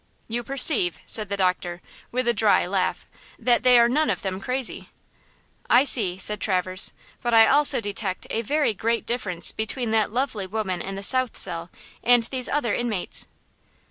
"You perceive," said the doctor, with a dry laugh, "that they are none of them crazy?" "I see," said Traverse, "but I also detect a very great difference between that lovely woman in the south cell and these other inmates."